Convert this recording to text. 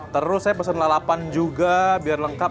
terus saya pesen lalapan juga biar lengkap